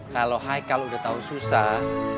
kalo haikal udah tau susah